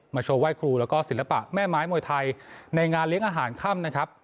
โชว์ไห้ครูแล้วก็ศิลปะแม่ไม้มวยไทยในงานเลี้ยงอาหารค่ำนะครับ